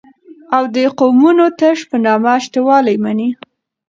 او دقومونو تش په نامه شته والى مني